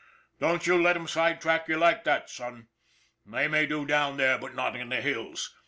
Don't you let 'em side track you like that, son. They may do down there, but not in the hills.